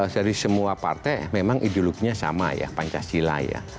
jadi semua partai memang ideologinya sama ya pancasila ya